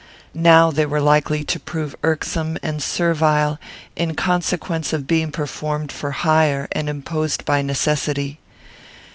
Now they were likely to prove irksome and servile, in consequence of being performed for hire and imposed by necessity.